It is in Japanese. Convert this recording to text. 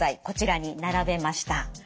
こちらに並べました。